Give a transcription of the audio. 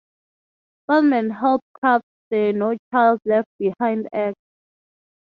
Feldman helped craft the No Child Left Behind Act.